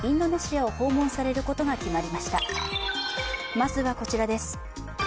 まずはこちらです。